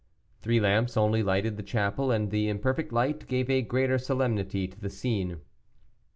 Three lamps only lighted the chapel, and the imperfect light gave a greater solemnity to the scene.